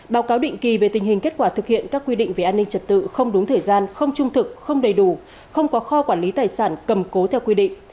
báo cáo định kỳ về tình hình kết quả thực hiện các quy định về an ninh trật tự không đúng thời gian không trung thực không đầy đủ không có kho quản lý tài sản cầm cố theo quy định